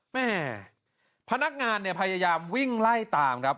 แม่พนักงานเนี่ยพยายามวิ่งไล่ตามครับ